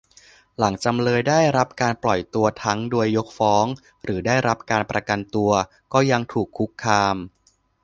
หลังจำเลยได้รับการปล่อยตัวทั้งโดยยกฟ้องหรือได้รับการประกันตัว ก็ยังถูกคุกคาม